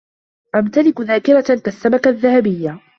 أمتلك ذاكرة كالسمكة الذهبية.